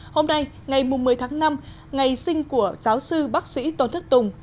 hôm nay ngày một mươi tháng năm ngày sinh của giáo sư bác sĩ tôn thức tùng